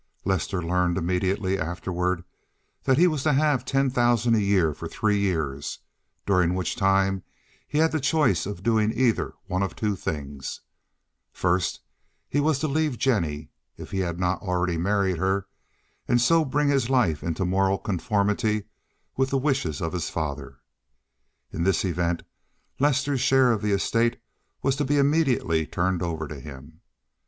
Lester learned immediately afterward that he was to have ten thousand a year for three years, during which time he had the choice of doing either one of two things: First, he was to leave Jennie, if he had not already married her, and so bring his life into moral conformity with the wishes of his father. In this event Lester's share of the estate was to be immediately turned over to him.